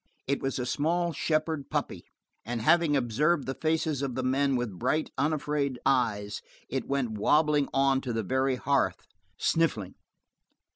It was a small shepherd puppy, and having observed the faces of the men with bright, unafraid eyes, it went wobbling on to the very hearth, sniffling.